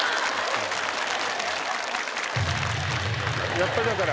やっぱだから。